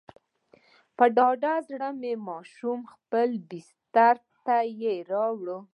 په ډاډه زړه مې ماشوم خپلې بسترې ته راووړ.